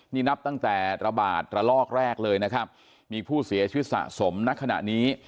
นี่นับตั้งแต่ระบาดระลอกแรกเลยนะครับมีผู้เสียชีวิตสะสมณขณะนี้